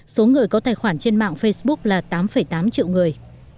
số người có tài khoản trên mạng facebook là tám tám triệu người